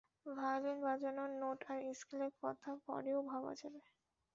Violin বাজানোর note আর স্কেলের কথা পরেও ভাবা যাবে।